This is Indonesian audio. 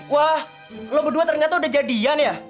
wah lo berdua ternyata udah jadian ya